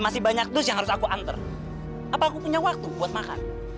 masih banyak dus yang harus aku antar apa aku punya waktu buat makan